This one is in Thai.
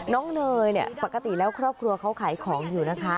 เนยเนี่ยปกติแล้วครอบครัวเขาขายของอยู่นะคะ